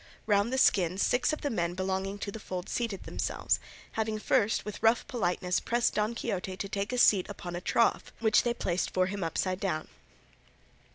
Round the skins six of the men belonging to the fold seated themselves, having first with rough politeness pressed Don Quixote to take a seat upon a trough which they placed for him upside down.